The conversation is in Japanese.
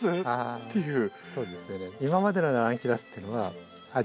そうですよね。